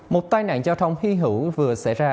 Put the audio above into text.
một tai nạn giao thông hy hữu vừa xảy ra